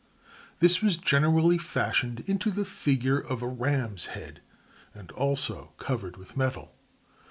This was generally fashioned into the figure of a ram's head, also covered with metal....